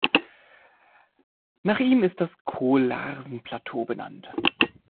Nach ihm ist das Kohl-Larsen-Plateau benannt.